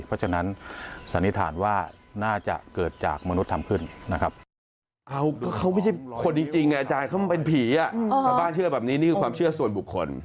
เพราะฉะนั้นสันนิษฐานว่าน่าจะเกิดจากมนุษย์ทำขึ้นนะครับ